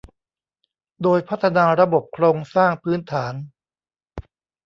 โดยพัฒนาระบบโครงสร้างพื้นฐาน